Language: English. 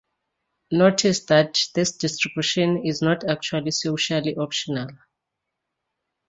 Notice that this distribution is not, actually, socially optimal.